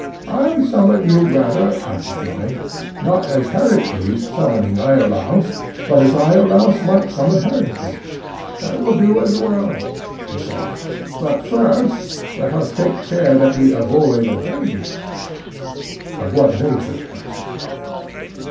I summon you rather, I rejoined, not as Heracles summoning Iolaus, but as Iolaus might summon Heracles. That will do as well, he said. But first let us take care that we avoid a danger. Of what nature? I said.